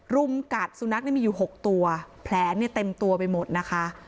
รุมกัดสุนัขมีอยู่๖ตัวแผลเนี่ยเต็มตัวไปหมดนะคะ